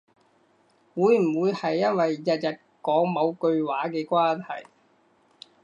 會唔會係因為日日講某句話嘅關係